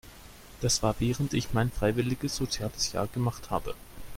Das war während ich mein freiwilliges soziales Jahr gemacht habe.